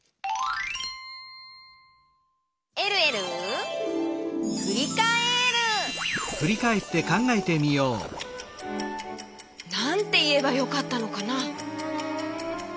「えるえるふりかえる」なんていえばよかったのかな？